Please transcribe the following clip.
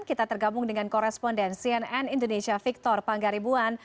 kita tergabung dengan koresponden cnn indonesia victor panggaribuan